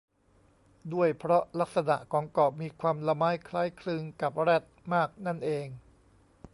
ด้วยเพราะลักษณะของเกาะมีความละม้ายคล้ายคลึงกับแรดมากนั่นเอง